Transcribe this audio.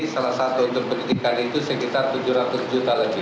salah satu untuk pendidikan itu sekitar tujuh ratus juta lebih